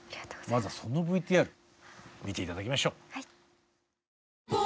まずはそのＶＴＲ見て頂きましょう。